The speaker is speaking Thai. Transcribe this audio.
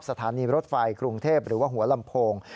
สถานีรถไฟกรุงเทพหรือว่าหัวลำโพง